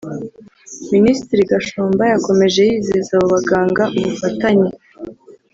Minisitiri Gashumba yakomeje yizeza abo baganga ubufatanye